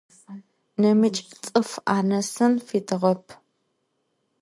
Нэмыкӏ цӏыф анэсын фитыгъэп.